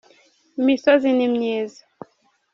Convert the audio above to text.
imisozi nimyiza